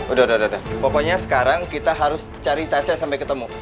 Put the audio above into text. udah udah pokoknya sekarang kita harus cari tasya sampai ketemu